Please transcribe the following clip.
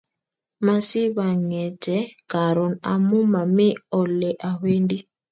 Masipang'ete karon amu mami ole awendi